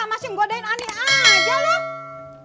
masih menggodain ani aja loh